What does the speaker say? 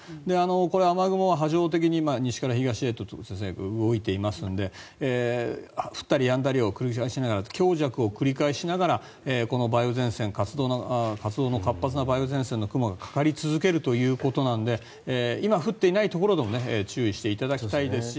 これ、雨雲は波状的に西から東へと動いていますので降ったりやんだりを繰り返しながら強弱を繰り返しながらこの梅雨前線活動の活発な梅雨前線の雲がかかり続けるということなので今降っていないところでも注意していただきたいですし。